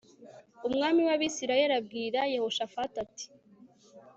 umwami w abisirayeli abwira yehoshafati ati